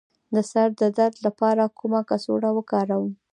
د سر د درد لپاره کومه کڅوړه وکاروم؟